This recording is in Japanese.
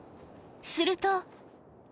すると。